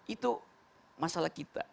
itu masalah kita